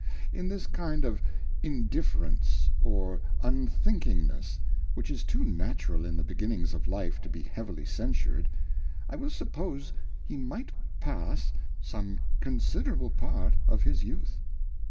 In this kind of Indifference or Unthinkingness, which is too natural in the beginnings of Life to be heavily censured, I will suppose he might pass some considerable part of his Youth.